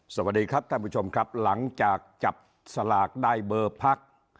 สวัสดีครับท่านผู้ชมครับหลังจากจับสลากได้เบอร์พัก